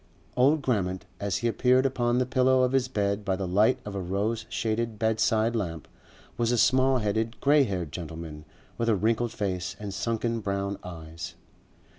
Old Grammont as he appeared upon the pillow of his bed by the light of a rose shaded bedside lamp, was a small headed, grey haired gentleman with a wrinkled face and sunken brown eyes.